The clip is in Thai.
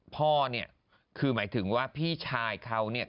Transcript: พ่อเนี่ยคือหมายถึงว่าพี่ชายเขาเนี่ย